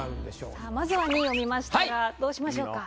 さあまずは２位を見ましたがどうしましょうか？